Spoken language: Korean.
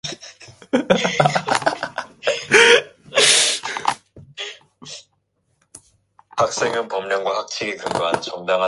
미련한 자의 귀에 말하지 말지니 이는 그가 네 지혜로운 말을 업신여길 것임이니라